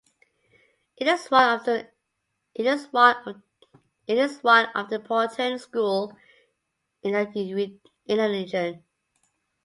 It is one of the important school in the region.